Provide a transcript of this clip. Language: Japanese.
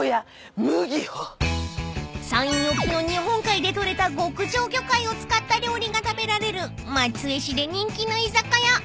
［山陰沖の日本海で捕れた極上魚介を使った料理が食べられる松江市で人気の居酒屋］